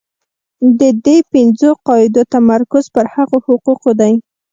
د دې پنځو قاعدو تمرکز پر هغو حقوقو دی.